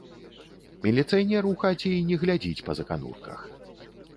Міліцыянер у хаце й не глядзіць па заканурках.